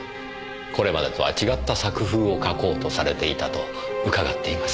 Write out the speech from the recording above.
これまでとは違った作風を書こうとされていたと伺っています。